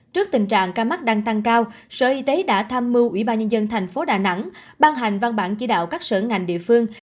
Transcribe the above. trước tình trạng ca mắc đang tăng cao sở y tế đã tham mưu ủy ban nhân dân thành phố đà nẵng ban hành văn bản chỉ đạo các sở ngành địa phương